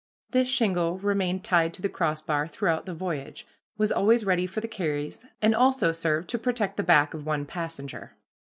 This shingle remained tied to the crossbar throughout the voyage, was always ready for the carries, and also served to protect the back of one passenger.